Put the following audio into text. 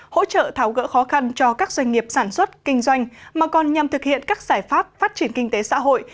hỗ trợ tháo gỡ khó khăn cho các doanh nghiệp sản xuất kinh doanh mà còn nhằm thực hiện các giải pháp phát triển kinh tế xã hội